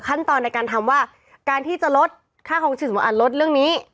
ขั้นตอนในการทำว่าการที่จะลดค่าคลองชีพสำหรับอันลดเรื่องนี้